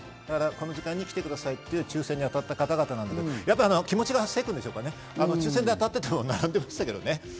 この時間に来てくださいっていう、抽選で当たった方々なので、気持ちが走ってるっていうか、抽選で当たっても並んでいましたけどね。